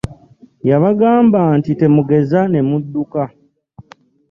Yabagamba nti temugeza ne mu dduka.